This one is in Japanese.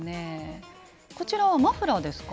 こちらはマフラーですか？